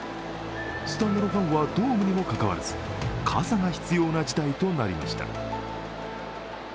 スタンドのファンはドームにもかかわらず傘が必要な事態となりました。